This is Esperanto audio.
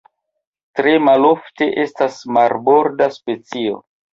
Tre malofte estas marborda specio.